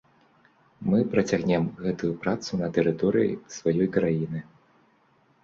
Мы працягнем гэтую працу на тэрыторыі сваёй краіны.